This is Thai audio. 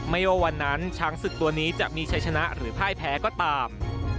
ไม่ว่าวันนั้นช้างศึกตัวนี้จะมีชัยชนะหรือพ่ายแพ้ก็ตาม